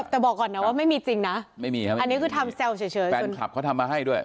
แต่บอกก่อนนะว่าไม่มีจริงนะไม่มีครับอันนี้คือทำแซวเฉยแฟนคลับเขาทำมาให้ด้วย